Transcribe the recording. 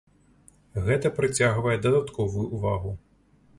Гэта прыцягвае дадатковую ўвагу.